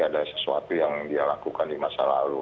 ada sesuatu yang dia lakukan di masa lalu